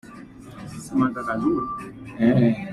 Settlers raised cattle and sheep and grew wheat, barley and onions.